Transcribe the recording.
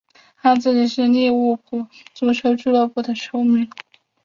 他自己是利物浦足球俱乐部的球迷。